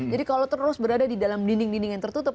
jadi kalau terus berada di dalam dinding dinding yang tertutup